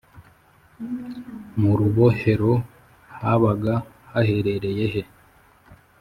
mu rubohero habaga haherereye he